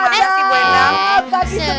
makasih yang ada sih ibu endang